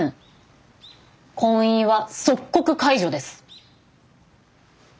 婚姻は即刻解除です。